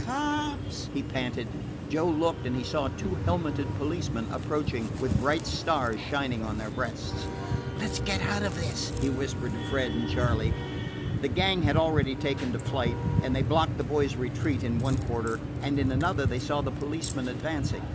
"Cops!" he panted. Joe looked, and he saw two helmeted policemen approaching, with bright stars shining on their breasts. "Let 's get out of this," he whispered to Fred and Charley. The gang had already taken to flight, and they blocked the boys' retreat in one quarter, and in another they saw the policemen advancing.